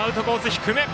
低め。